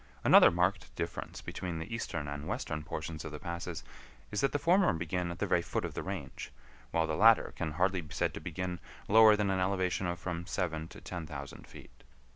Another marked difference between the eastern and western portions of the passes is that the former begin at the very foot of the range, while the latter can hardly be said to begin lower than an elevation of from seven to ten thousand feet.